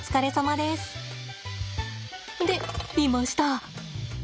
でいました。